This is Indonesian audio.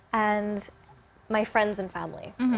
dan teman teman dan keluarga saya